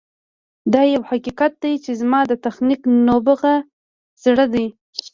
دا یو حقیقت دی چې زما د تخنیکي نبوغ زړه دی